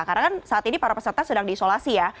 karena kan saat ini para peserta sedang diisolasi ya